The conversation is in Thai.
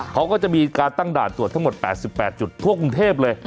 เขาก็จะมีการตั้งด่านตรวจทั้งหมด๘๘จุดทั่วกรุงเทพเลย